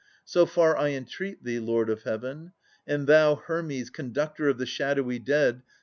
So far I entreat thee, Lord of Heaven. And thou, Hermes, conductor of the shadowy dead.